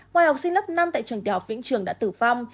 ngoài học sinh lớp năm tại trường tiểu học vĩnh trường đã tử vong